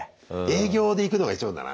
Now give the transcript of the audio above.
営業で行くのが一番だな。